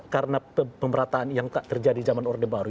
karena pemerataan yang nggak terjadi zaman orde baru